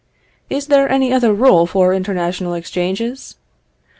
Is there any other rule for international exchanges?